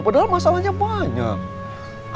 padahal masalahnya banyak